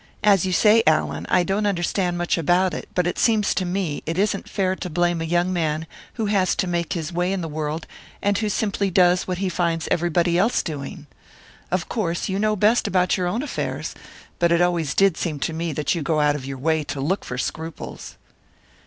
As you say, Allan, I don't understand much about it, but it seems to me it isn't fair to blame a young man who has to make his way in the world, and who simply does what he finds everybody else doing. Of course, you know best about your own affairs; but it always did seem to me that you go out of your way to look for scruples."